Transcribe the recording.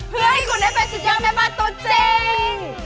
เพื่อให้คุณได้เป็นสุดยอดแม่บ้านตัวจริง